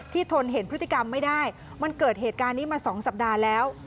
ทนเห็นพฤติกรรมไม่ได้มันเกิดเหตุการณ์นี้มา๒สัปดาห์แล้ว